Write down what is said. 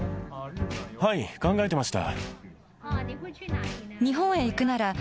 はい、考えてました。